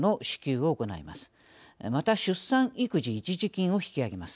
また出産育児一時金を引き上げます。